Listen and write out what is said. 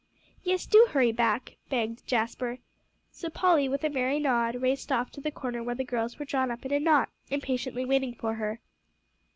"Yes; do hurry back," begged Jasper. So Polly, with a merry nod, raced off to the corner where the girls were drawn up in a knot, impatiently waiting for her.